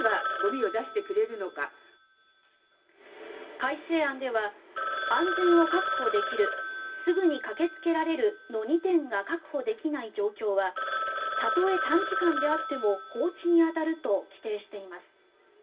改正案では安全を確保できるすぐに駆けつけられるの２点が確保できない状況はたとえ短時間であっても放置に当たると規定しています。